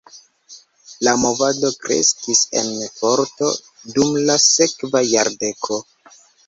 La movado kreskis en forto dum la sekva jardeko.